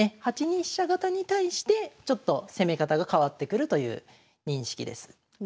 ８二飛車型に対してちょっと攻め方が変わってくるという認識です。